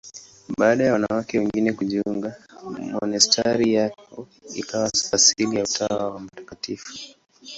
Baada ya wanawake wengine kujiunga, monasteri yao ikawa asili ya Utawa wa Mt.